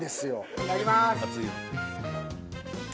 いただきます。